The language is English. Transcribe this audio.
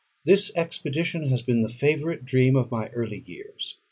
This expedition has been the favourite dream of my early years.